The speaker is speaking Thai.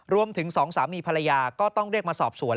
สองสามีภรรยาก็ต้องเรียกมาสอบสวน